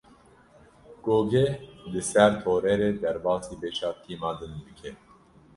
Gogê di ser torê re derbasî beşa tîma din bike.